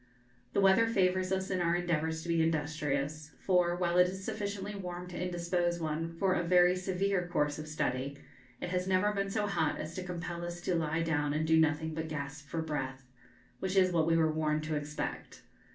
The weather favours us in our endeavours to be industrious; for, while it is sufficiently warm to indispose one for a very severe course of study, it has never been so hot as to compel us to lie down and do nothing but gasp for breath which is what we were warned to expect.